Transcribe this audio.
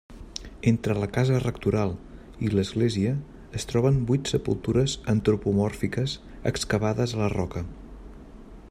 Entre la casa rectoral i l'església es troben vuit sepultures antropomòrfiques excavades a la roca.